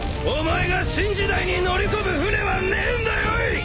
お前が新時代に乗り込む船はねえんだよい！